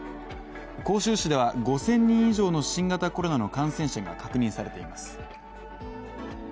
広州市では５０００人以上の新型コロナの感染者が確認されています。